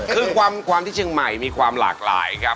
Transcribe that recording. เพื่อสุดท้ายไปทีกลายเป็นท่าช้า